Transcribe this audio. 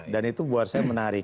dan itu buat saya menarik